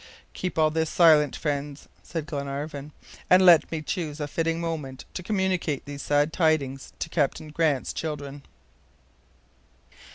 "Keep all this silent, friends," said Glenarvan, "and let me choose a fitting moment to communicate these sad tidings to Captain Grant's children."